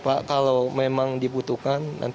pak kalau memang dibutuhkan